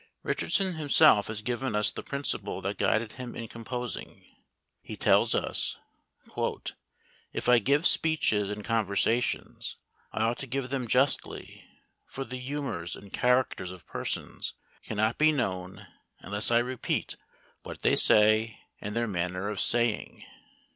Richardson himself has given us the principle that guided him in composing. He tells us, "If I give speeches and conversations, I ought to give them justly; for the humours and characters of persons cannot be known unless I repeat what they say, and their manner of saying."